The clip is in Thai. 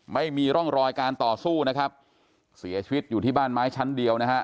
ไม่มีร่องรอยการต่อสู้นะครับเสียชีวิตอยู่ที่บ้านไม้ชั้นเดียวนะฮะ